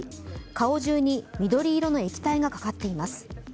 顔中に緑色の液体がかかっています。